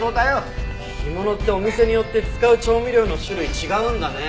干物ってお店によって使う調味料の種類違うんだね。